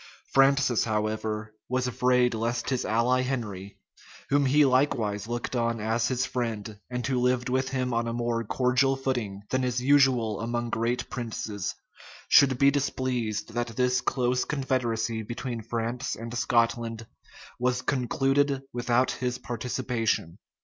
Francis, however, was afraid lest his ally Henry, whom he likewise looked on as his friend, and who lived with him on a more cordial footing than is usual among great princes, should be displeased that this close confederacy between France and Scotland was concluded without his participation.